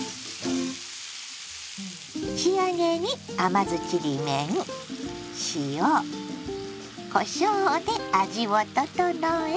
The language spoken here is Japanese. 仕上げに甘酢ちりめん塩こしょうで味を調え。